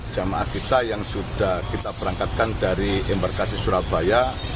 jemaah kita yang sudah kita berangkatkan dari embarkasi surabaya